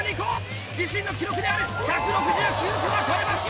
自身の記録である１６９個は超えました！